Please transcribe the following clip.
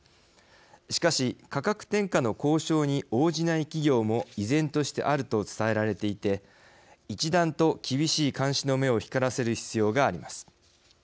しかし、価格転嫁の交渉に応じない企業も依然としてあると伝えられていて一段と厳しい監視の目を光らせる必要があります。